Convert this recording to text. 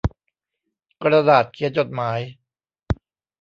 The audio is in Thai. กระดาษเขียนจดหมาย